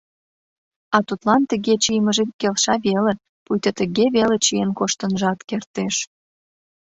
А тудлан тыге чийымыже келша веле, пуйто тыге веле чиен коштынжат кертеш.